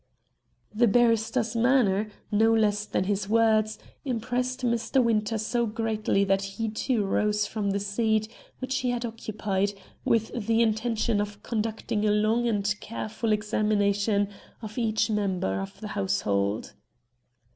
The barrister's manner, no less than his words, impressed Mr. Winter so greatly that he too rose from the seat which he had occupied, with the intention of conducting a long and careful examination of each member of the household.